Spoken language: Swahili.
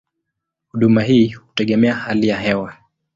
Huduma hii hutegemea hali ya hewa.